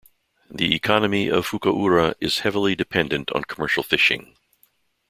The economy of Fukaura is heavily dependent on commercial fishing.